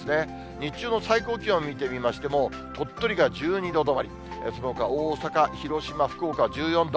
日中の最高気温見てみましても、鳥取が１２度止まり、そのほか大阪、広島、福岡は１４度。